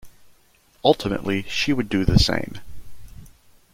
Ultimately, she would do the same.